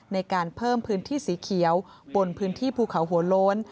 ในการเพิ่มพื้นที่สีเขียวบนพื้นที่ภูเขาหัวโล้น